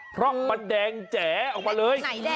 เพราะมันแดงแจ๋ออกมาเลย